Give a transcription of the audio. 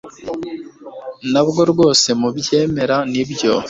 Ntabwo rwose mubyemera nibyo